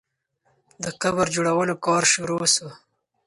د قبر جوړولو کار شروع سو.